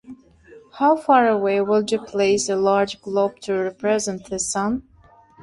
How far away would you place a large globe to represent the sun?